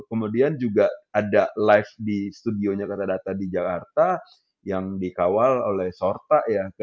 kemudian juga ada live di studionya kata data di jakarta yang dikawal oleh sorta